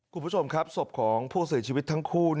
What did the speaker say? คุณผู้ชมครับศพของผู้เสียชีวิตทั้งคู่